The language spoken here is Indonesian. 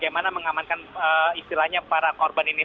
bagaimana mengamankan istilahnya para korban ini